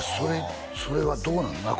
それはどうなの？